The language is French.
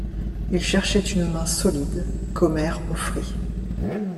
Il cherchait une main solide, qu'Omer offrit.